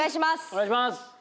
お願いします！